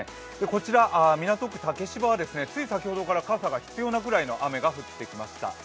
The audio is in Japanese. こちら港区竹芝は、つい先ほどから傘が必要なくらいの雨が降ってきました。